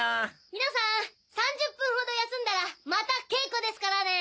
皆さん３０分ほど休んだらまた稽古ですからね。